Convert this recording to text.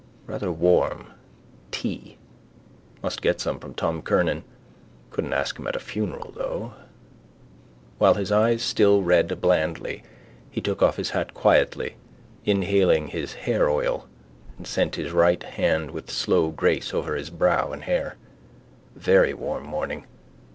Rather warm. Tea. Must get some from Tom Kernan. Couldn't ask him at a funeral, though. While his eyes still read blandly he took off his hat quietly inhaling his hairoil and sent his right hand with slow grace over his brow and hair. Very warm morning.